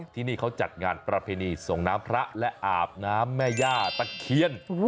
ที่นี่เขาจัดงานประเพณีส่งน้ำพระและอาบน้ำแม่ย่าตะเคียน